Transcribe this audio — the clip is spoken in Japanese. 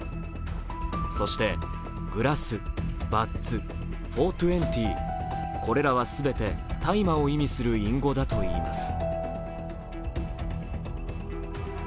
そしてグラス、バッズ、４２０、これらはすべて大麻を意味する隠語だといいます。